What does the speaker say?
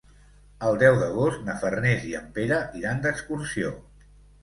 El deu d'agost na Farners i en Pere iran d'excursió.